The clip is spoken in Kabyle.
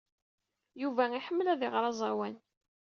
Yuba iḥemmel ad iɣer aẓawan.